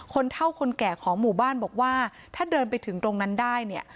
เท่าคนแก่ของหมู่บ้านบอกว่าถ้าเดินไปถึงตรงนั้นได้เนี่ย